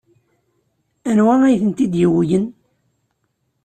Anwa ay tent-id-yuwyen?